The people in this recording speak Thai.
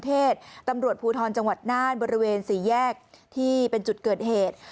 ตำรวจภูทรจังหวัดน่านบริเวณสี่แยกที่เป็นจุดเกิดเหตุ